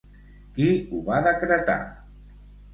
Qui ho va decretar?